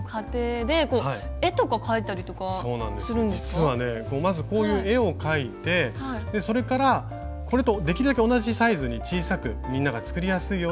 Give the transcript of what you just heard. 実はねまずこういう絵を描いてそれからこれとできるだけ同じサイズに小さくみんなが作りやすいように作りました。